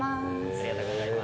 ありがとうございます。